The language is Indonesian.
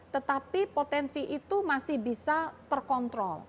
tetapi potensi itu masih bisa terkontrol